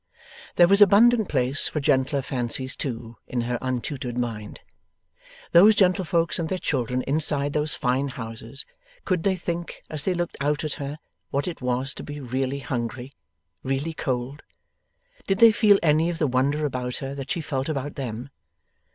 There was abundant place for gentler fancies too, in her untutored mind. Those gentlefolks and their children inside those fine houses, could they think, as they looked out at her, what it was to be really hungry, really cold? Did they feel any of the wonder about her, that she felt about them?